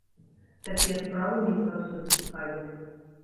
Такія справы мяне заўсёды цікавілі.